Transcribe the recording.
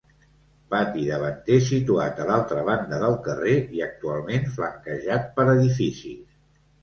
Pati davanter situat a l'altra banda del carrer i actualment flanquejat per edificis.